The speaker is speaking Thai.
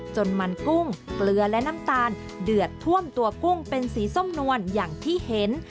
จนมันกุ้งเกลือและน้ำตาลเดือดท่วมตัวกุ้งเป็นสีส้มนวลอย่างที่เห็น